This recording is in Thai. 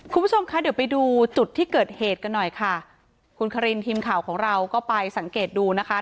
คุณผู้ชมคะเดี๋ยวไปดูจุดที่เกิดเหตุกันหน่อยค่ะคุณคารินทีมข่าวของเราก็ไปสังเกตดูนะคะ